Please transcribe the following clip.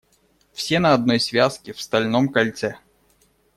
Все на одной связке, в стальном кольце.